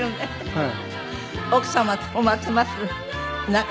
はい。